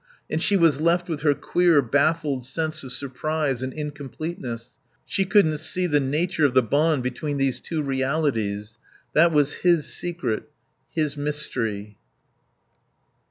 And she was left with her queer, baffled sense of surprise and incompleteness. She couldn't see the nature of the bond between these two realities. That was his secret, his mystery.